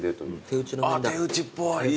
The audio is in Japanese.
・手打ちっぽい。